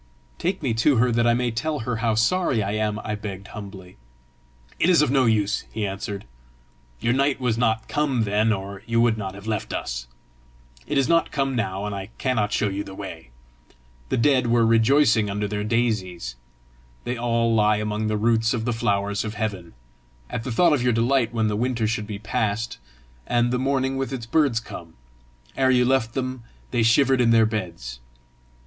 "Take me to her that I may tell her how sorry I am," I begged humbly. "It is of no use," he answered. "Your night was not come then, or you would not have left us. It is not come now, and I cannot show you the way. The dead were rejoicing under their daisies they all lie among the roots of the flowers of heaven at the thought of your delight when the winter should be past, and the morning with its birds come: ere you left them, they shivered in their beds.